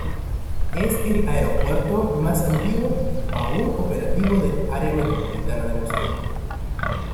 Es el aeropuerto más antiguo aún operativo del área metropolitana de Moscú.